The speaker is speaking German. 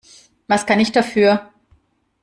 Was kann ich dafür?